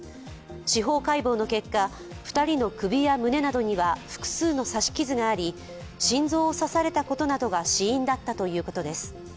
司法解剖の結果、２人の首や胸などには複数の刺し傷があり、心臓を刺されたことなどが死因だったということです。